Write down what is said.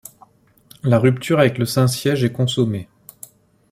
La rupture avec le Saint-Siège est consommée.